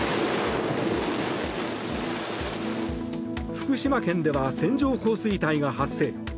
福島県では線状降水帯が発生。